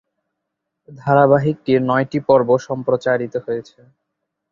ধারাবাহিকটির নয়টি পর্ব সম্প্রচারিত হয়েছে।